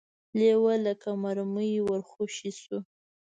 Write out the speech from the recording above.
لېوه لکه مرمۍ ور خوشې شو.